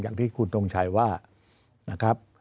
อย่างที่คุณตรงชัยว่า